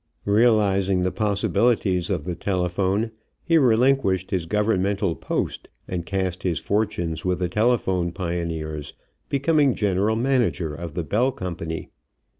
Realizing the possibilities of the telephone, he relinquished his governmental post and cast his fortunes with the telephone pioneers, becoming general manager of the Bell company.